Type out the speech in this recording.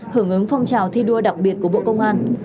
hưởng ứng phong trào thi đua đặc biệt của bộ công an